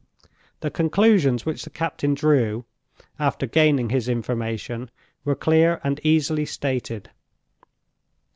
The conclusions which the captain drew, after gaining his information, were clear and easily stated.